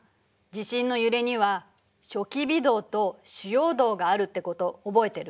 地震の揺れには初期微動と主要動があるってこと覚えてる？